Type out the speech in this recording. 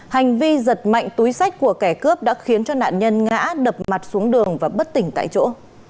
hành vi giật mạnh túi sách của kẻ cướp đã khiến cho nạn nhân ngã đập mặt xuống đường và bất tỉnh tại chỗ